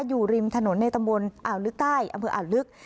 อยู่ริมถนนในตำบลอ่าวลึกใต้อำเภออ่าวลึก